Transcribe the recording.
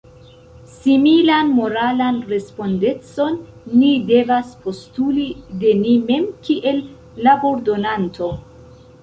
Similan moralan respondecon ni devas postuli de ni mem kiel labordonanto.